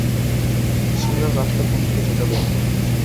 সিংড়ার রাস্তা কোন দিকে সেটা বের করো।